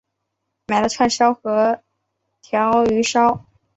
买了串烧和鲷鱼烧